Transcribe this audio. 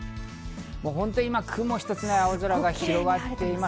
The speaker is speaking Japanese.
本当に雲一つない青空が広がっています。